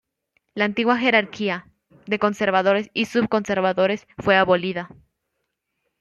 La antigua jerarquía, de conservadores y sub-conservadores fue abolida.